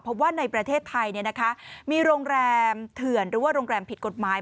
เพราะว่าในประเทศไทยมีโรงแรมเถื่อนหรือว่าโรงแรมผิดกฎหมาย